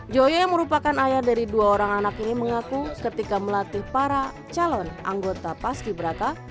joyo yang merupakan ayah dari dua orang anak ini mengaku ketika melatih para calon anggota paski beraka